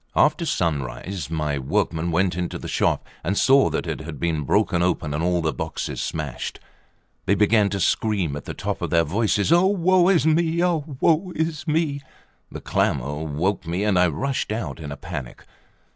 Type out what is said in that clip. After sunrise my workmen went into the shop, and saw that it had been broken open and all the boxes smashed. They began to scream at the top of their voices: "Ah, woe is me! Ah, woe is me!" The clamour woke me, and I rushed out in a panic.